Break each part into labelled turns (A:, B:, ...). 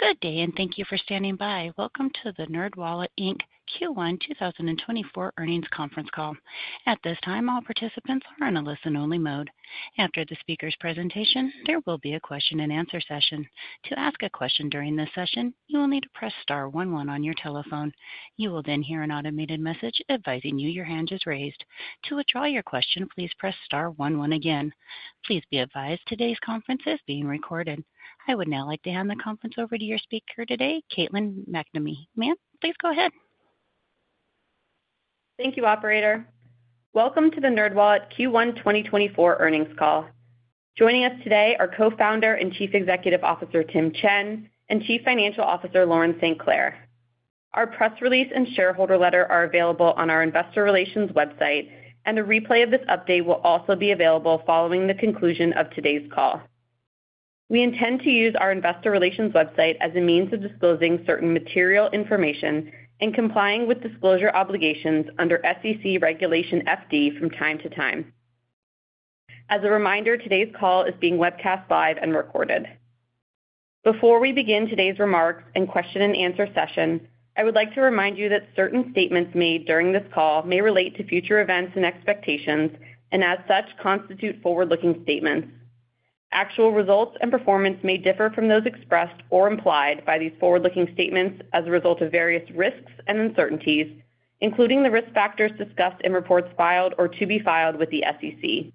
A: Good day, and thank you for standing by. Welcome to the NerdWallet, Inc Q1 2024 Earnings Conference Call. At this time, all participants are in a listen-only mode. After the speaker's presentation, there will be a question-and-answer session. To ask a question during this session, you will need to press star one one on your telephone. You will then hear an automated message advising you your hand is raised. To withdraw your question, please press star one one again. Please be advised today's conference is being recorded. I would now like to hand the conference over to your speaker today, Caitlin MacNamee. Ma'am, please go ahead.
B: Thank you, operator. Welcome to the NerdWallet Q1 2024 Earnings Call. Joining us today are Co-founder and Chief Executive Officer Tim Chen and Chief Financial Officer Lauren St. Clair. Our press release and shareholder letter are available on our investor relations website, and a replay of this update will also be available following the conclusion of today's call. We intend to use our investor relations website as a means of disclosing certain material information and complying with disclosure obligations under SEC Regulation FD from time to time. As a reminder, today's call is being webcast live and recorded. Before we begin today's remarks and question-and-answer session, I would like to remind you that certain statements made during this call may relate to future events and expectations, and as such, constitute forward-looking statements. Actual results and performance may differ from those expressed or implied by these forward-looking statements as a result of various risks and uncertainties, including the risk factors discussed in reports filed or to be filed with the SEC.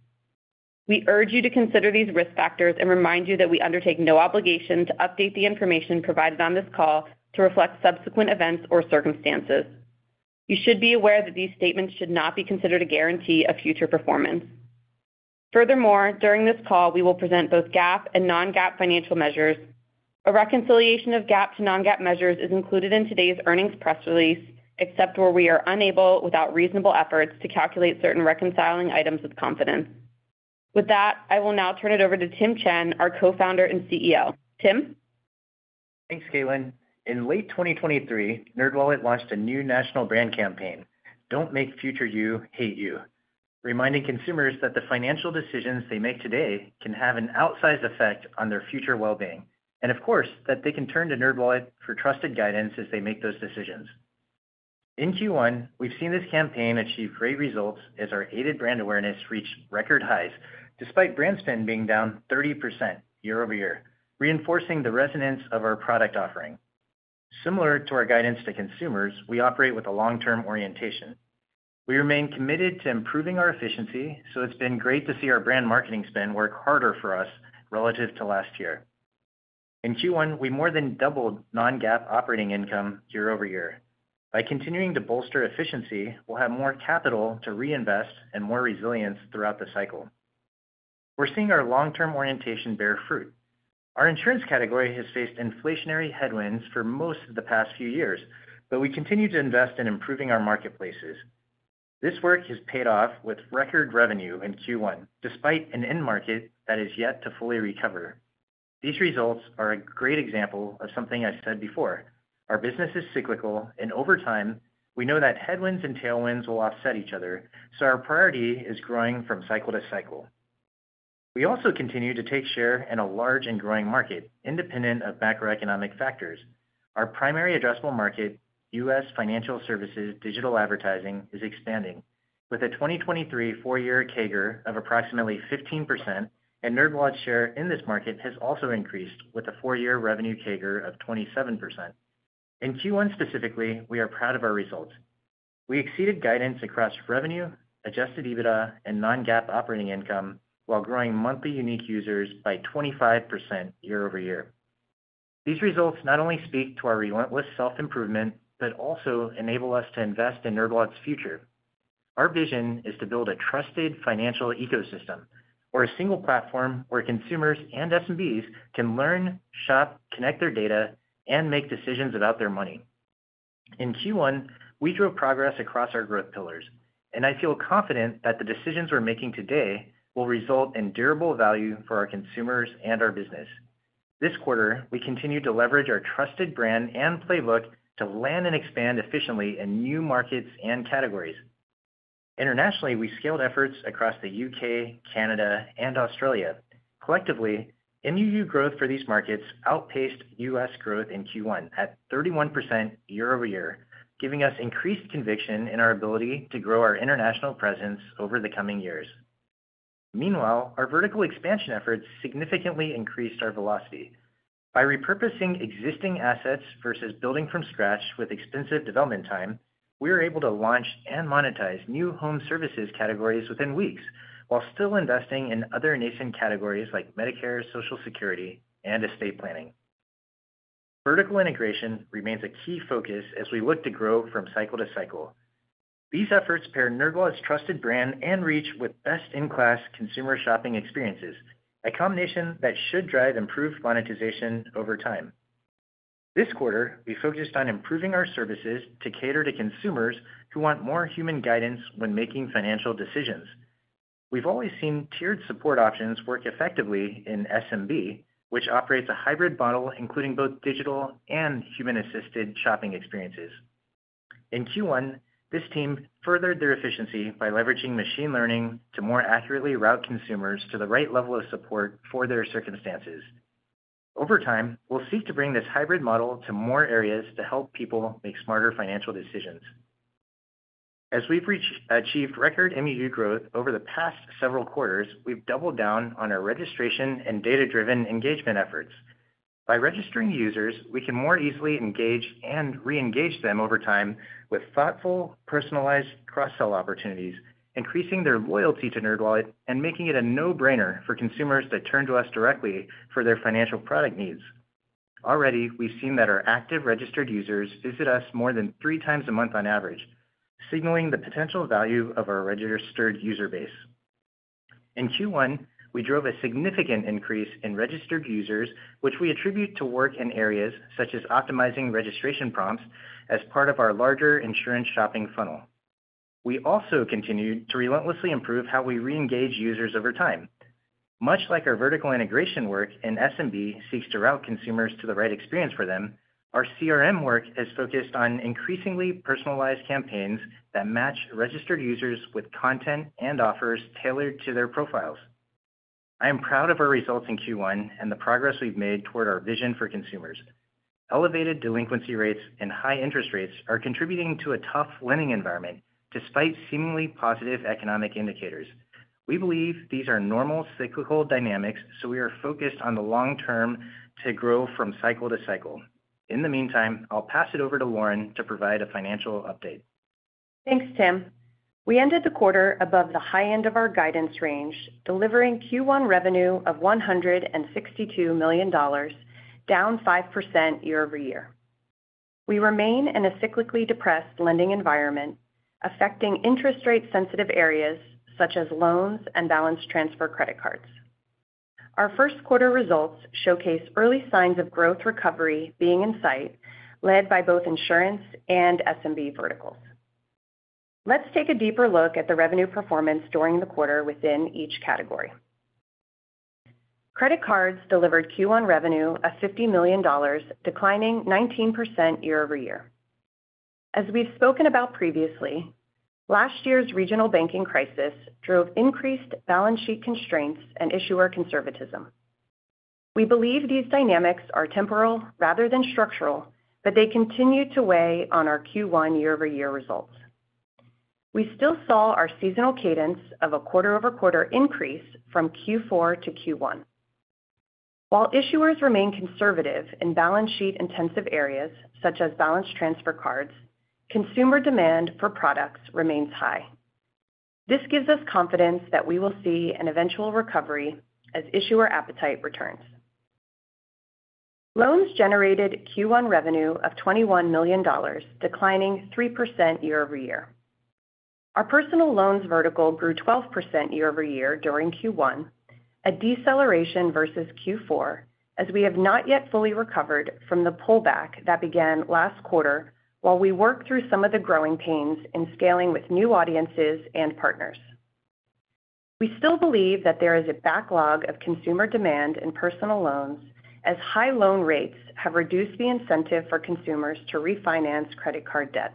B: We urge you to consider these risk factors and remind you that we undertake no obligation to update the information provided on this call to reflect subsequent events or circumstances. You should be aware that these statements should not be considered a guarantee of future performance. Furthermore, during this call, we will present both GAAP and non-GAAP financial measures. A reconciliation of GAAP to non-GAAP measures is included in today's earnings press release, except where we are unable, without reasonable efforts, to calculate certain reconciling items with confidence. With that, I will now turn it over to Tim Chen, our co-founder and CEO. Tim?
C: Thanks, Caitlin. In late 2023, NerdWallet launched a new national brand campaign, "Don't Make Future You Hate You," reminding consumers that the financial decisions they make today can have an outsized effect on their future well-being, and of course, that they can turn to NerdWallet for trusted guidance as they make those decisions. In Q1, we've seen this campaign achieve great results as our aided brand awareness reached record highs, despite brand spend being down 30% year-over-year, reinforcing the resonance of our product offering. Similar to our guidance to consumers, we operate with a long-term orientation. We remain committed to improving our efficiency, so it's been great to see our brand marketing spend work harder for us relative to last year. In Q1, we more than doubled non-GAAP operating income year-over-year. By continuing to bolster efficiency, we'll have more capital to reinvest and more resilience throughout the cycle. We're seeing our long-term orientation bear fruit. Our Insurance category has faced inflationary headwinds for most of the past few years, but we continue to invest in improving our marketplaces. This work has paid off with record revenue in Q1, despite an end market that is yet to fully recover. These results are a great example of something I've said before. Our business is cyclical, and over time, we know that headwinds and tailwinds will offset each other, so our priority is growing from cycle to cycle. We also continue to take share in a large and growing market, independent of macroeconomic factors. Our primary addressable market, U.S. financial services... Digital advertising is expanding with a 2023 four-year CAGR of approximately 15%, and NerdWallet's share in this market has also increased with a four-year revenue CAGR of 27%. In Q1 specifically, we are proud of our results. We exceeded guidance across revenue, adjusted EBITDA, and non-GAAP operating income while growing monthly unique users by 25% year-over-year. These results not only speak to our relentless self-improvement but also enable us to invest in NerdWallet's future. Our vision is to build a trusted financial ecosystem, or a single platform where consumers and SMBs can learn, shop, connect their data, and make decisions about their money. In Q1, we drove progress across our growth pillars, and I feel confident that the decisions we're making today will result in durable value for our consumers and our business. This quarter, we continue to leverage our trusted brand and playbook to land and expand efficiently in new markets and categories. Internationally, we scaled efforts across the U.K., Canada, and Australia. Collectively, MUU growth for these markets outpaced U.S. growth in Q1 at 31% year-over-year, giving us increased conviction in our ability to grow our international presence over the coming years. Meanwhile, our vertical expansion efforts significantly increased our velocity. By repurposing existing assets versus building from scratch with expensive development time, we were able to launch and monetize new home services categories within weeks while still investing in other nascent categories like Medicare, Social Security, and estate planning. Vertical integration remains a key focus as we look to grow from cycle to cycle. These efforts pair NerdWallet's trusted brand and reach with best-in-class consumer shopping experiences, a combination that should drive improved monetization over time. This quarter, we focused on improving our services to cater to consumers who want more human guidance when making financial decisions. We've always seen tiered support options work effectively in SMB, which operates a hybrid model including both digital and human-assisted shopping experiences. In Q1, this team furthered their efficiency by leveraging machine learning to more accurately route consumers to the right level of support for their circumstances. Over time, we'll seek to bring this hybrid model to more areas to help people make smarter financial decisions. As we've achieved record MUU growth over the past several quarters, we've doubled down on our registration and data-driven engagement efforts. By registering users, we can more easily engage and re-engage them over time with thoughtful, personalized cross-sell opportunities, increasing their loyalty to NerdWallet and making it a no-brainer for consumers to turn to us directly for their financial product needs. Already, we've seen that our active registered users visit us more than three times a month on average, signaling the potential value of our registered user base. In Q1, we drove a significant increase in registered users, which we attribute to work in areas such as optimizing registration prompts as part of our larger insurance shopping funnel. We also continued to relentlessly improve how we re-engage users over time. Much like our vertical integration work in SMB seeks to route consumers to the right experience for them, our CRM work is focused on increasingly personalized campaigns that match registered users with content and offers tailored to their profiles. I am proud of our results in Q1 and the progress we've made toward our vision for consumers. Elevated delinquency rates and high interest rates are contributing to a tough lending environment despite seemingly positive economic indicators. We believe these are normal cyclical dynamics, so we are focused on the long term to grow from cycle to cycle. In the meantime, I'll pass it over to Lauren to provide a financial update.
D: Thanks, Tim. We ended the quarter above the high end of our guidance range, delivering Q1 revenue of $162 million, down 5% year-over-year. We remain in a cyclically depressed lending environment, affecting interest rate-sensitive areas such as loans and balance transfer credit cards. Our first quarter results showcase early signs of growth recovery being in sight, led by both Insurance and SMB verticals. Let's take a deeper look at the revenue performance during the quarter within each category. Credit cards delivered Q1 revenue of $50 million, declining 19% year-over-year. As we've spoken about previously, last year's regional banking crisis drove increased balance sheet constraints and issuer conservatism. We believe these dynamics are temporal rather than structural, but they continue to weigh on our Q1 year-over-year results. We still saw our seasonal cadence of a quarter-over-quarter increase from Q4 to Q1. While issuers remain conservative in balance sheet-intensive areas such as balance transfer cards, consumer demand for products remains high. This gives us confidence that we will see an eventual recovery as issuer appetite returns. Loans generated Q1 revenue of $21 million, declining 3% year-over-year. Our personal loans vertical grew 12% year-over-year during Q1, a deceleration versus Q4, as we have not yet fully recovered from the pullback that began last quarter while we work through some of the growing pains in scaling with new audiences and partners. We still believe that there is a backlog of consumer demand in personal loans as high loan rates have reduced the incentive for consumers to refinance credit card debt.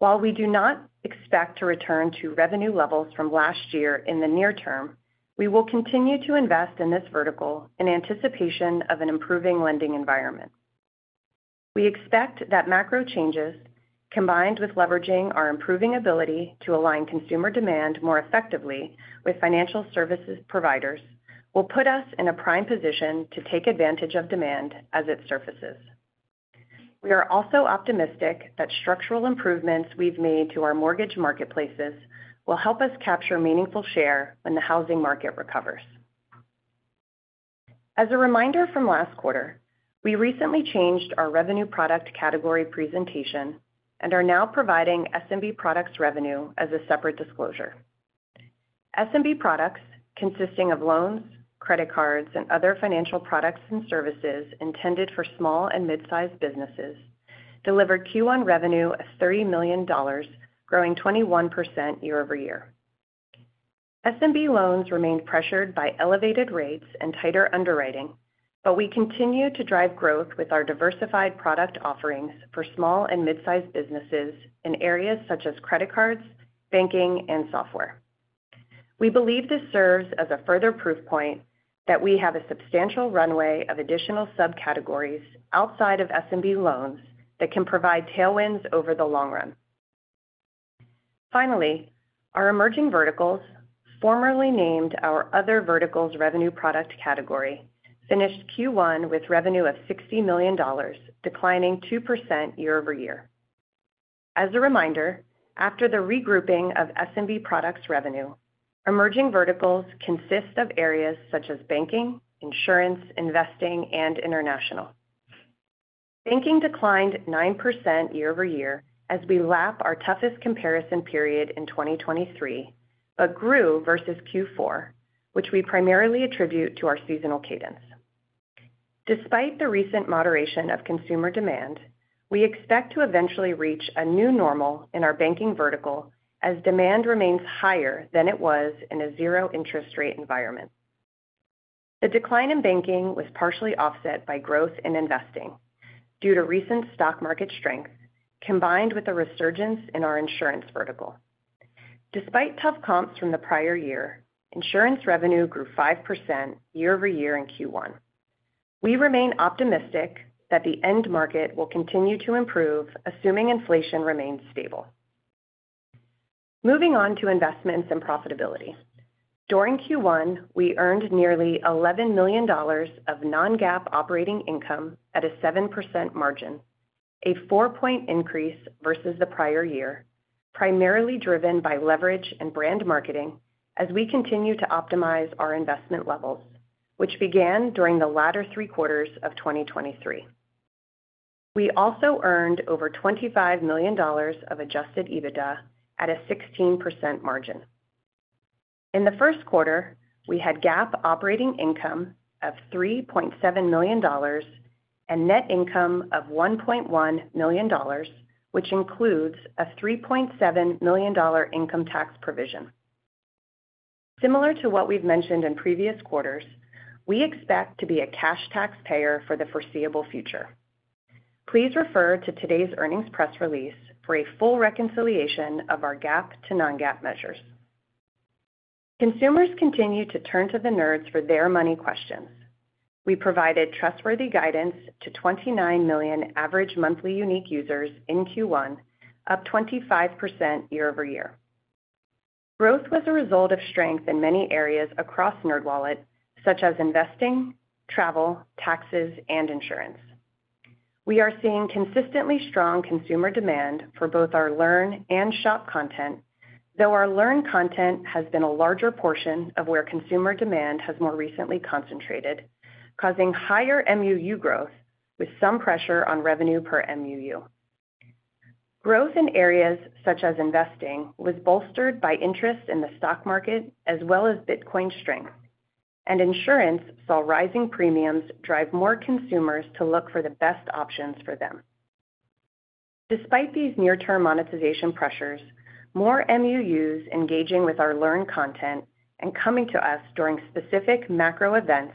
D: While we do not expect to return to revenue levels from last year in the near term, we will continue to invest in this vertical in anticipation of an improving lending environment. We expect that macro changes, combined with leveraging our improving ability to align consumer demand more effectively with financial services providers, will put us in a prime position to take advantage of demand as it surfaces. We are also optimistic that structural improvements we've made to our mortgage marketplaces will help us capture meaningful share when the housing market recovers. As a reminder from last quarter, we recently changed our revenue product category presentation and are now providing SMB products revenue as a separate disclosure. SMB products, consisting of loans, credit cards, and other financial products and services intended for small and midsize businesses, delivered Q1 revenue of $30 million, growing 21% year-over-year. SMB loans remained pressured by elevated rates and tighter underwriting, but we continue to drive growth with our diversified product offerings for small and midsize businesses in areas such as credit cards, banking, and software. We believe this serves as a further proof point that we have a substantial runway of additional subcategories outside of SMB loans that can provide tailwinds over the long run. Finally, our Emerging Verticals, formerly named our Other Verticals revenue product category, finished Q1 with revenue of $60 million, declining 2% year-over-year. As a reminder, after the regrouping of SMB products revenue, emerging verticals consist of areas such as banking, insurance, investing, and international. Banking declined 9% year-over-year as we lap our toughest comparison period in 2023 but grew versus Q4, which we primarily attribute to our seasonal cadence. Despite the recent moderation of consumer demand, we expect to eventually reach a new normal in our banking vertical as demand remains higher than it was in a zero-interest rate environment. The decline in banking was partially offset by growth in investing due to recent stock market strength combined with a resurgence in our Insurance vertical. Despite tough comps from the prior year, Insurance revenue grew 5% year-over-year in Q1. We remain optimistic that the end market will continue to improve, assuming inflation remains stable. Moving on to investments and profitability. During Q1, we earned nearly $11 million of non-GAAP operating income at a 7% margin, a four-point increase versus the prior year, primarily driven by leverage and brand marketing as we continue to optimize our investment levels, which began during the latter three quarters of 2023. We also earned over $25 million of adjusted EBITDA at a 16% margin. In the first quarter, we had GAAP operating income of $3.7 million and net income of $1.1 million, which includes a $3.7 million income tax provision. Similar to what we've mentioned in previous quarters, we expect to be a cash tax payer for the foreseeable future. Please refer to today's earnings press release for a full reconciliation of our GAAP to non-GAAP measures. Consumers continue to turn to the nerds for their money questions. We provided trustworthy guidance to 29 million average monthly unique users in Q1, up 25% year-over-year. Growth was a result of strength in many areas across NerdWallet, such as investing, travel, taxes, and insurance. We are seeing consistently strong consumer demand for both our learn and shop content, though our learn content has been a larger portion of where consumer demand has more recently concentrated, causing higher MUU growth with some pressure on revenue per MUU. Growth in areas such as investing was bolstered by interest in the stock market as well as Bitcoin strength, and Insurance saw rising premiums drive more consumers to look for the best options for them. Despite these near-term monetization pressures, more MUUs engaging with our learn content and coming to us during specific macro events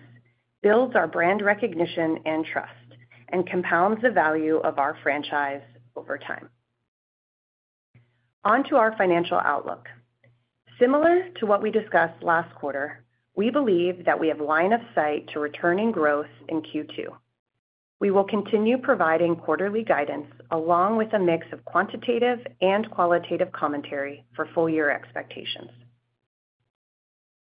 D: builds our brand recognition and trust and compounds the value of our franchise over time. Onto our financial outlook. Similar to what we discussed last quarter, we believe that we have line of sight to returning growth in Q2. We will continue providing quarterly guidance along with a mix of quantitative and qualitative commentary for full-year expectations.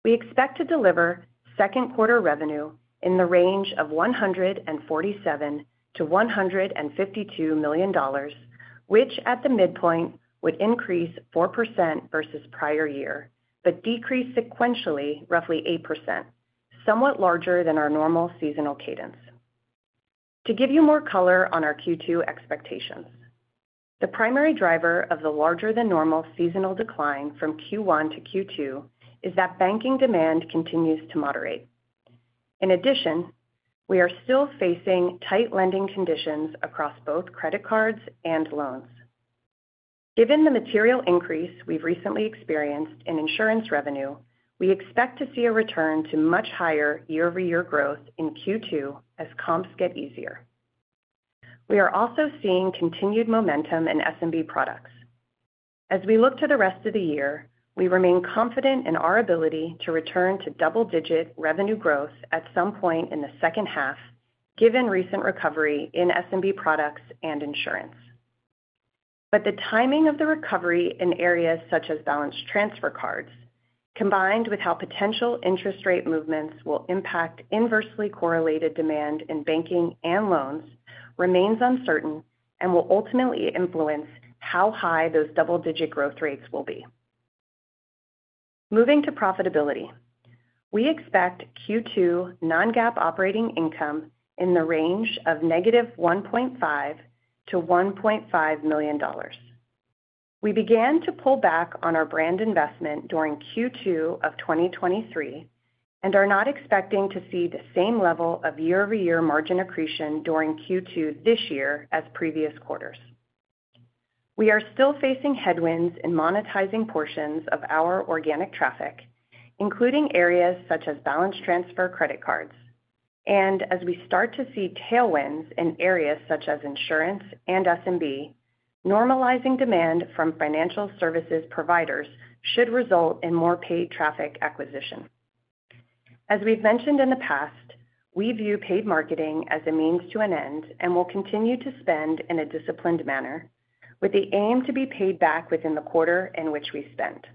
D: We expect to deliver second quarter revenue in the range of $147 million-$152 million, which at the midpoint would increase 4% versus prior year but decrease sequentially roughly 8%, somewhat larger than our normal seasonal cadence. To give you more color on our Q2 expectations, the primary driver of the larger-than-normal seasonal decline from Q1 to Q2 is that banking demand continues to moderate. In addition, we are still facing tight lending conditions across both credit cards and loans. Given the material increase we've recently experienced in insurance revenue, we expect to see a return to much higher year-over-year growth in Q2 as comps get easier. We are also seeing continued momentum in SMB products. As we look to the rest of the year, we remain confident in our ability to return to double-digit revenue growth at some point in the second half, given recent recovery in SMB products and Insurance. But the timing of the recovery in areas such as balance transfer cards, combined with how potential interest rate movements will impact inversely correlated demand in banking and loans, remains uncertain and will ultimately influence how high those double-digit growth rates will be. Moving to profitability, we expect Q2 non-GAAP operating income in the range of -$1.5 million to $1.5 million. We began to pull back on our brand investment during Q2 of 2023 and are not expecting to see the same level of year-over-year margin accretion during Q2 this year as previous quarters. We are still facing headwinds in monetizing portions of our organic traffic, including areas such as balance transfer credit cards. As we start to see tailwinds in areas such as Insurance and SMB, normalizing demand from financial services providers should result in more paid traffic acquisition. As we've mentioned in the past, we view paid marketing as a means to an end and will continue to spend in a disciplined manner with the aim to be paid back within the quarter in which we spent.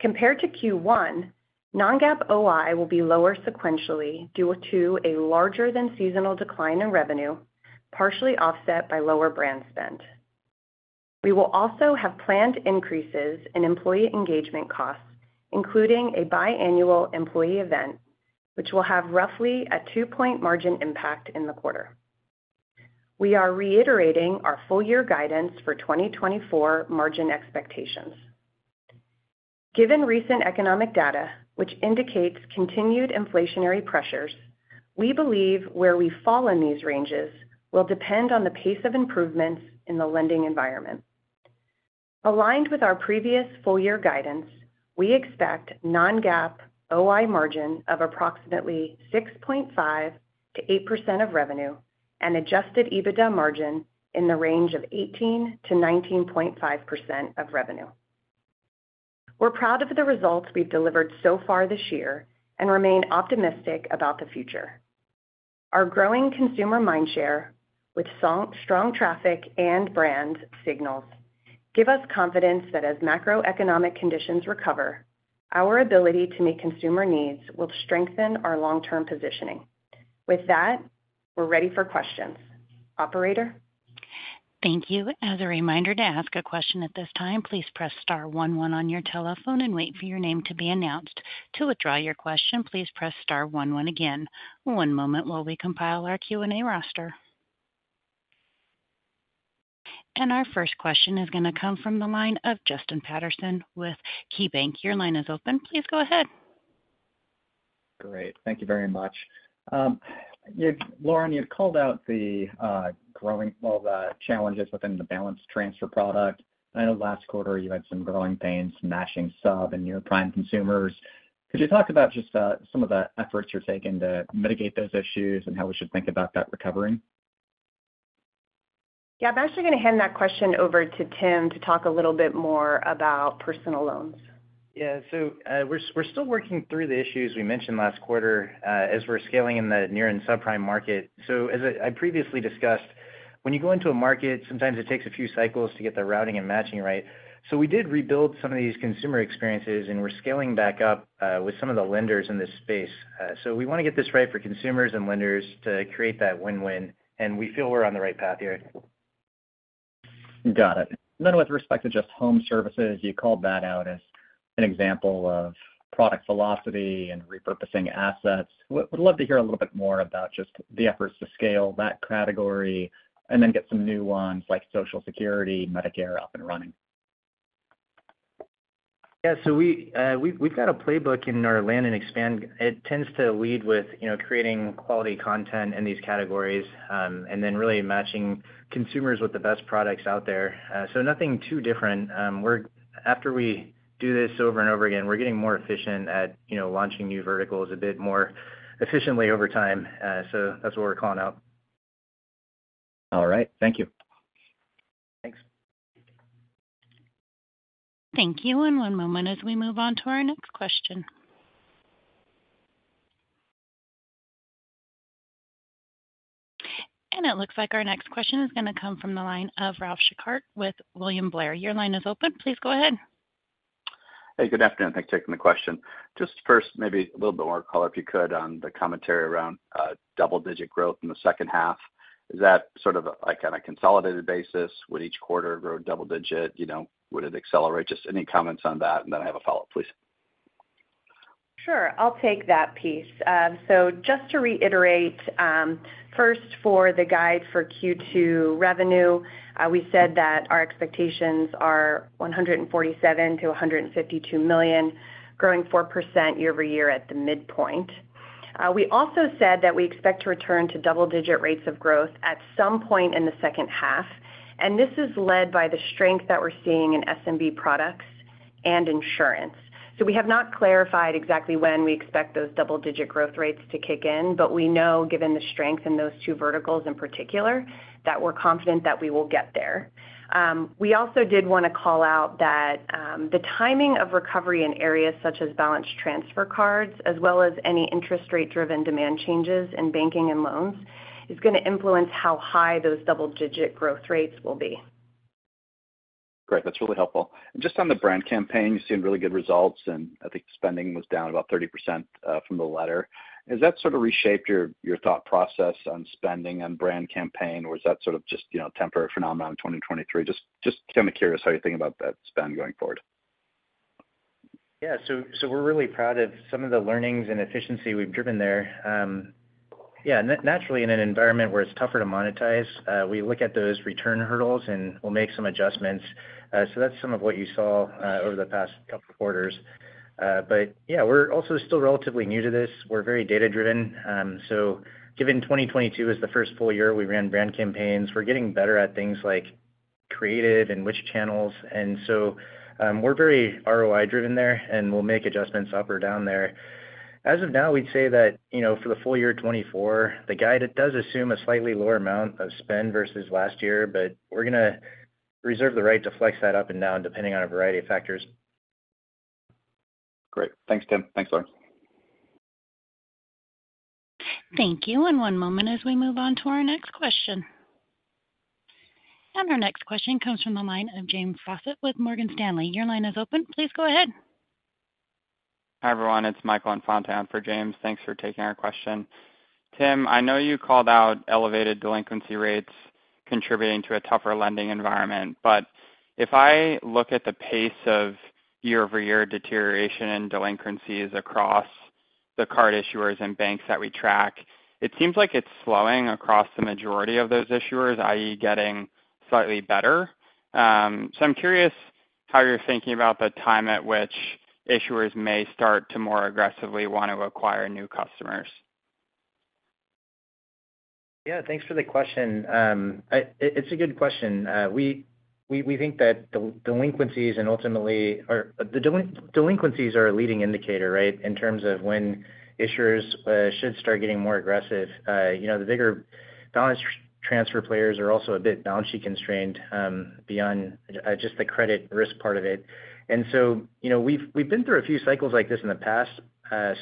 D: Compared to Q1, non-GAAP OI will be lower sequentially due to a larger-than-seasonal decline in revenue, partially offset by lower brand spend. We will also have planned increases in employee engagement costs, including a biannual employee event, which will have roughly a two-point margin impact in the quarter. We are reiterating our full-year guidance for 2024 margin expectations. Given recent economic data, which indicates continued inflationary pressures, we believe where we fall in these ranges will depend on the pace of improvements in the lending environment. Aligned with our previous full-year guidance, we expect non-GAAP OI margin of approximately 6.5%-8% of revenue and adjusted EBITDA margin in the range of 18%-19.5% of revenue. We're proud of the results we've delivered so far this year and remain optimistic about the future. Our growing consumer mindshare, with strong traffic and brand signals, give us confidence that as macroeconomic conditions recover, our ability to meet consumer needs will strengthen our long-term positioning. With that, we're ready for questions. Operator?
A: Thank you. As a reminder to ask a question at this time, please press star one one on your telephone and wait for your name to be announced. To withdraw your question, please press star one one again. One moment while we compile our Q&A roster. Our first question is going to come from the line of Justin Patterson with KeyBanc. Your line is open. Please go ahead.
E: Great. Thank you very much. Lauren, you had called out the growing, well, the challenges within the balance transfer product. I know last quarter you had some growing pains targeting subprime and your prime consumers. Could you talk about just some of the efforts you're taking to mitigate those issues and how we should think about that recovering?
D: Yeah. I'm actually going to hand that question over to Tim to talk a little bit more about personal loans.
C: Yeah. So we're still working through the issues we mentioned last quarter as we're scaling in the near-prime and subprime market. So as I previously discussed, when you go into a market, sometimes it takes a few cycles to get the routing and matching right. So we did rebuild some of these consumer experiences, and we're scaling back up with some of the lenders in this space. So we want to get this right for consumers and lenders to create that win-win, and we feel we're on the right path here.
E: Got it. Then with respect to just home services, you called that out as an example of product philosophy and repurposing assets. Would love to hear a little bit more about just the efforts to scale that category and then get some new ones like Social Security, Medicare up and running?
C: Yeah. So we've got a playbook in our land and expand. It tends to lead with creating quality content in these categories and then really matching consumers with the best products out there. So nothing too different. After we do this over and over again, we're getting more efficient at launching new verticals a bit more efficiently over time. So that's what we're calling out.
E: All right. Thank you.
D: Thanks.
A: Thank you. One moment as we move on to our next question. It looks like our next question is going to come from the line of Ralph Schackart with William Blair. Your line is open. Please go ahead.
F: Hey. Good afternoon. Thanks for taking the question. Just first, maybe a little bit more color, if you could, on the commentary around double-digit growth in the second half. Is that sort of on a consolidated basis? Would each quarter grow double-digit? Would it accelerate? Just any comments on that, and then I have a follow-up, please.
D: Sure. I'll take that piece. So just to reiterate, first, for the guide for Q2 revenue, we said that our expectations are $147 million-$152 million, growing 4% year-over-year at the midpoint. We also said that we expect to return to double-digit rates of growth at some point in the second half, and this is led by the strength that we're seeing in SMB products and Insurance. So we have not clarified exactly when we expect those double-digit growth rates to kick in, but we know, given the strength in those two verticals in particular, that we're confident that we will get there. We also did want to call out that the timing of recovery in areas such as balance transfer cards, as well as any interest rate-driven demand changes in banking and loans, is going to influence how high those double-digit growth rates will be.
F: Great. That's really helpful. And just on the brand campaign, you've seen really good results, and I think spending was down about 30% from the letter. Has that sort of reshaped your thought process on spending and brand campaign, or is that sort of just a temporary phenomenon in 2023? Just kind of curious how you think about that spend going forward?
C: Yeah. So we're really proud of some of the learnings and efficiency we've driven there. Yeah. Naturally, in an environment where it's tougher to monetize, we look at those return hurdles and we'll make some adjustments. So that's some of what you saw over the past couple of quarters. But yeah, we're also still relatively new to this. We're very data-driven. So given 2022 as the first full year, we ran brand campaigns, we're getting better at things like creative and which channels. And so we're very ROI-driven there, and we'll make adjustments up or down there. As of now, we'd say that for the full year 2024, the guide does assume a slightly lower amount of spend versus last year, but we're going to reserve the right to flex that up and down depending on a variety of factors.
F: Great. Thanks, Tim. Thanks, Lauren.
A: Thank you. And one moment as we move on to our next question. And our next question comes from the line of James Faucette with Morgan Stanley. Your line is open. Please go ahead.
G: Hi, everyone. It's Michael Infante for James. Thanks for taking our question. Tim, I know you called out elevated delinquency rates contributing to a tougher lending environment, but if I look at the pace of year-over-year deterioration in delinquencies across the card issuers and banks that we track, it seems like it's slowing across the majority of those issuers, i.e., getting slightly better. So I'm curious how you're thinking about the time at which issuers may start to more aggressively want to acquire new customers?
C: Yeah. Thanks for the question. It's a good question. We think that delinquencies and ultimately delinquencies are a leading indicator, right, in terms of when issuers should start getting more aggressive. The bigger balance transfer players are also a bit balance sheet-constrained beyond just the credit risk part of it. And so we've been through a few cycles like this in the past.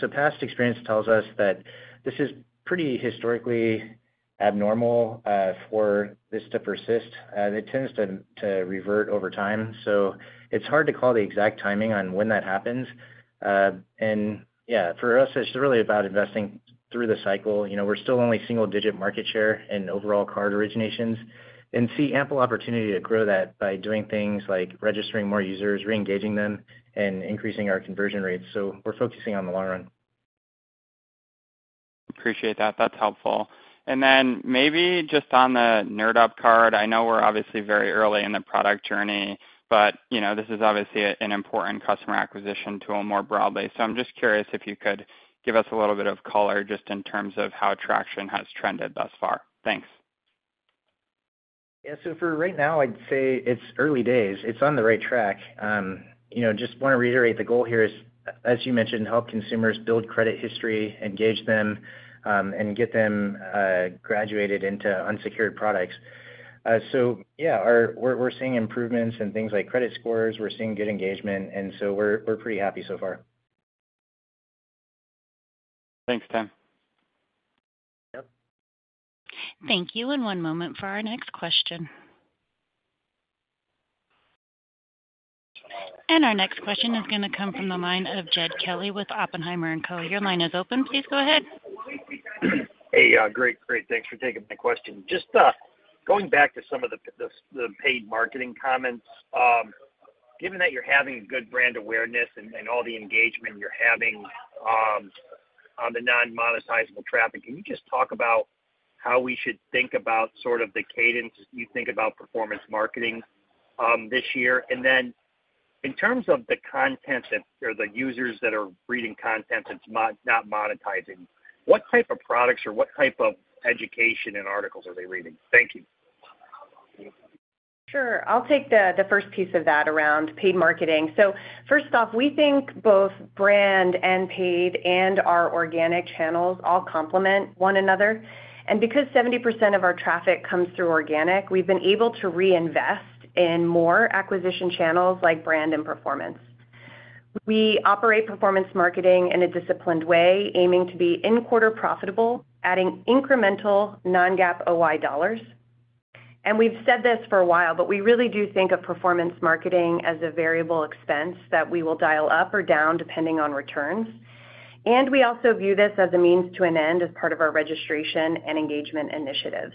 C: So past experience tells us that this is pretty historically abnormal for this to persist. It tends to revert over time. So it's hard to call the exact timing on when that happens. And yeah, for us, it's really about investing through the cycle. We're still only single-digit market share in overall card originations and see ample opportunity to grow that by doing things like registering more users, reengaging them, and increasing our conversion rates. So we're focusing on the long run.
G: Appreciate that. That's helpful. And then maybe just on the NerdUp card, I know we're obviously very early in the product journey, but this is obviously an important customer acquisition tool more broadly. So I'm just curious if you could give us a little bit of color just in terms of how traction has trended thus far. Thanks.
C: Yeah. So for right now, I'd say it's early days. It's on the right track. Just want to reiterate, the goal here is, as you mentioned, help consumers build credit history, engage them, and get them graduated into unsecured products. So yeah, we're seeing improvements in things like credit scores. We're seeing good engagement, and so we're pretty happy so far.
G: Thanks, Tim.
C: Yep.
A: Thank you. One moment for our next question. Our next question is going to come from the line of Jed Kelly with Oppenheimer & Co. Your line is open. Please go ahead.
H: Hey. Great. Great. Thanks for taking my question. Just going back to some of the paid marketing comments, given that you're having good brand awareness and all the engagement you're having on the non-monetizable traffic, can you just talk about how we should think about sort of the cadence as you think about performance marketing this year? And then in terms of the content or the users that are reading content that's not monetizing, what type of products or what type of education and articles are they reading? Thank you.
D: Sure. I'll take the first piece of that around paid marketing. So first off, we think both brand and paid and our organic channels all complement one another. And because 70% of our traffic comes through organic, we've been able to reinvest in more acquisition channels like brand and performance. We operate performance marketing in a disciplined way, aiming to be in-quarter profitable, adding incremental non-GAAP OI dollars. And we've said this for a while, but we really do think of performance marketing as a variable expense that we will dial up or down depending on returns. And we also view this as a means to an end as part of our registration and engagement initiatives.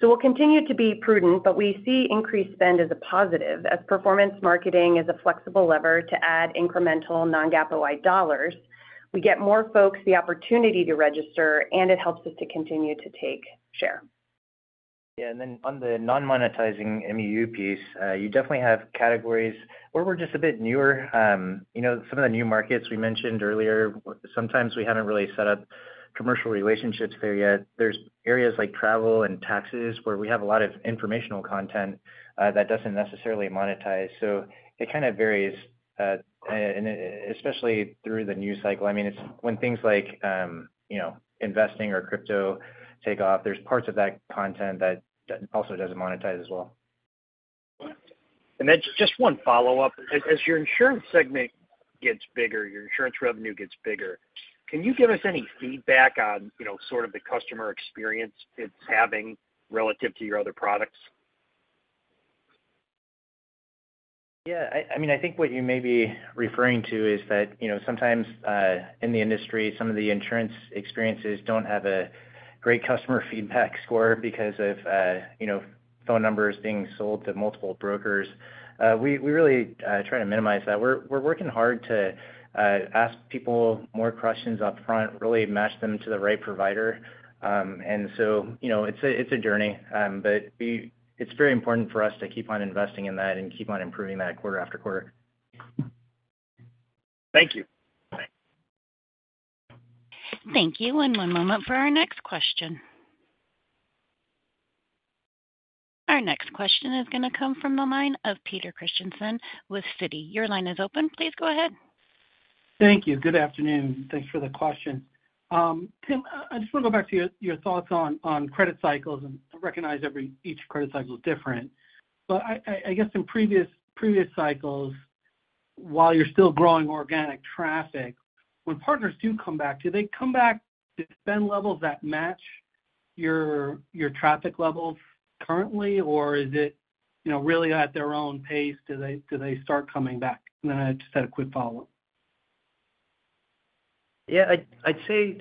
D: So we'll continue to be prudent, but we see increased spend as a positive, as performance marketing is a flexible lever to add incremental non-GAAP OI dollars. We get more folks the opportunity to register, and it helps us to continue to take share.
C: Yeah. And then on the non-monetizing MUU piece, you definitely have categories where we're just a bit newer. Some of the new markets we mentioned earlier, sometimes we haven't really set up commercial relationships there yet. There's areas like travel and taxes where we have a lot of informational content that doesn't necessarily monetize. So it kind of varies, especially through the news cycle. I mean, it's when things like investing or crypto take off, there's parts of that content that also doesn't monetize as well.
H: And then just one follow-up. As your Insurance segment gets bigger, your Insurance revenue gets bigger, can you give us any feedback on sort of the customer experience it's having relative to your other products?
C: Yeah. I mean, I think what you may be referring to is that sometimes in the industry, some of the insurance experiences don't have a great customer feedback score because of phone numbers being sold to multiple brokers. We really try to minimize that. We're working hard to ask people more questions upfront, really match them to the right provider. And so it's a journey, but it's very important for us to keep on investing in that and keep on improving that quarter after quarter.
H: Thank you.
A: Thank you. One moment for our next question. Our next question is going to come from the line of Peter Christiansen with Citi. Your line is open. Please go ahead.
I: Thank you. Good afternoon. Thanks for the question. Tim, I just want to go back to your thoughts on credit cycles. I recognize each credit cycle is different. But I guess in previous cycles, while you're still growing organic traffic, when partners do come back, do they come back to spend levels that match your traffic levels currently, or is it really at their own pace? Do they start coming back? Then I just had a quick follow-up.
C: Yeah. I'd say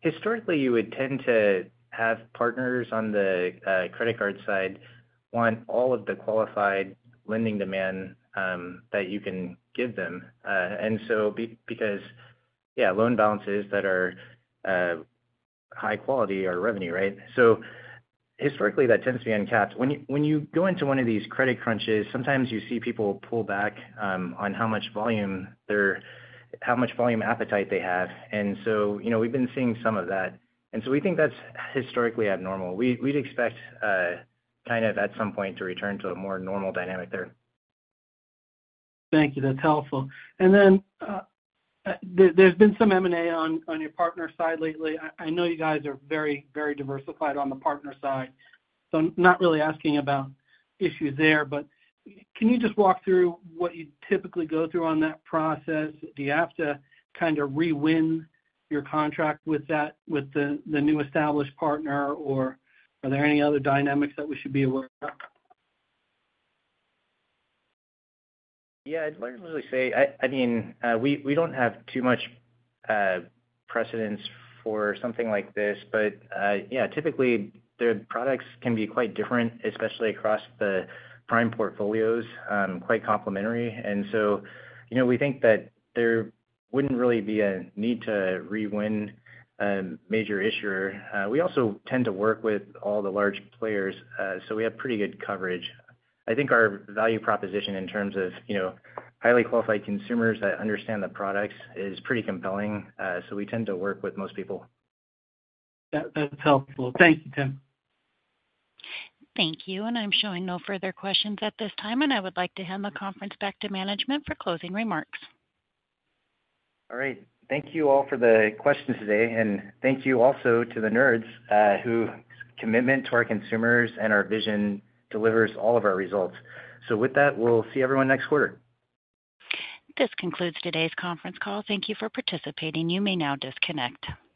C: historically, you would tend to have partners on the credit card side want all of the qualified lending demand that you can give them because, yeah, loan balances that are high quality are revenue, right? So historically, that tends to be uncapped. When you go into one of these credit crunches, sometimes you see people pull back on how much volume appetite they have. And so we've been seeing some of that. And so we think that's historically abnormal. We'd expect kind of at some point to return to a more normal dynamic there.
I: Thank you. That's helpful. And then there's been some M&A on your partner side lately. I know you guys are very, very diversified on the partner side. So not really asking about issues there, but can you just walk through what you typically go through on that process? Do you have to kind of re-win your contract with the new established partner, or are there any other dynamics that we should be aware of?
D: Yeah. I'd largely say, I mean, we don't have too much precedent for something like this, but yeah, typically, their products can be quite different, especially across the prime portfolios, quite complementary. And so we think that there wouldn't really be a need to rewin a major issuer. We also tend to work with all the large players, so we have pretty good coverage. I think our value proposition in terms of highly qualified consumers that understand the products is pretty compelling, so we tend to work with most people.
I: That's helpful. Thank you, Tim.
A: Thank you. I'm showing no further questions at this time, and I would like to hand the conference back to management for closing remarks.
C: All right. Thank you all for the questions today, and thank you also to the Nerds whose commitment to our consumers and our vision delivers all of our results. So with that, we'll see everyone next quarter.
A: This concludes today's conference call. Thank you for participating. You may now disconnect.